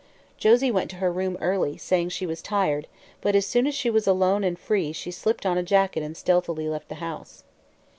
Josie went to her room early, saying she was tired, but as soon as she was alone and free she slipped on a jacket and stealthily left the house.